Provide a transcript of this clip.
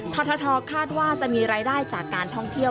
ททคาดว่าจะมีรายได้จากการท่องเที่ยว